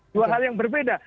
dua hal yang berbeda